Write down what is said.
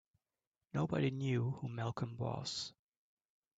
Nobody knew who Malcolm was.